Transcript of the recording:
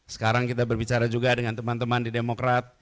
sekarang kita berbicara juga dengan teman teman di demokrat